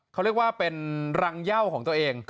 เขาเป็นรังเย่าของตัวเอง